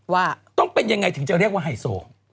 ว่าต้องเป็นยังไงถึงจะเรียกว่าไฮโซ